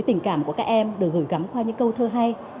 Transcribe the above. tình cảm của các em được gửi gắm qua những câu thơ hay